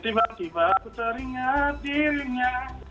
tiba tiba aku teringat dirinya